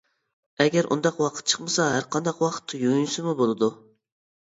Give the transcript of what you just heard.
ئەگەر ئۇنداق ۋاقىت چىقمىسا ھەرقانداق ۋاقىتتا يۇيۇنسىمۇ بولىدۇ.